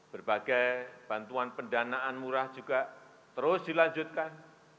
berbagai bantuan pendanaan murah juga terus dilanjutkan